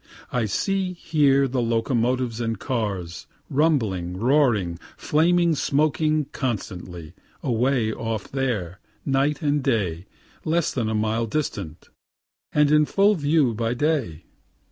I see, hear, the locomotives and cars, rumbling, roaring, flaming, smoking, constantly, away off there, night and day less than a mile distant, and in full view by day.